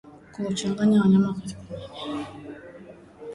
Kuchanganya wanyama katika maeneo ya kuchungia husababisha homa ya mapafu